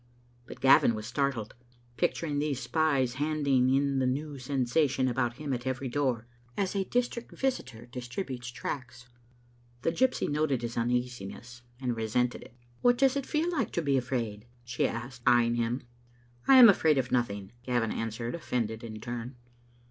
But Gavin was startled, picturing these spies handing in the new sensation about him at every door, as a dis trict visitor distributes tracts. The gypsy noted his uneasiness and resented it. " What does it feel like to be afraid?" she asked, eye ing him. "I am afraid of nothing," Gavin answered, offended in turn.